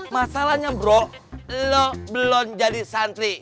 masalahnya bro lo belum jadi santri